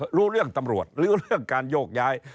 รู้เรื่องตำรวจรู้เรื่องการโยกย้าย